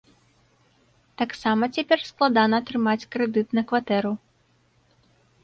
Таксама цяпер складана атрымаць крэдыт на кватэру.